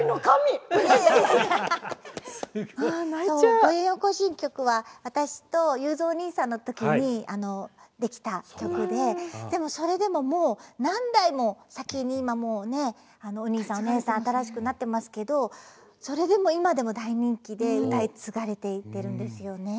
「ぼよよん行進曲」は私とゆうぞうお兄さんの時に出来た曲ででもそれでももう何代も先に今もうねお兄さんお姉さん新しくなってますけどそれでも今でも大人気で歌い継がれていってるんですよね。